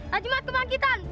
haji mat kemangkitan